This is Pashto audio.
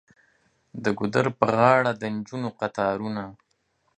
د ګودر په غاړه د نجونو کتارونه.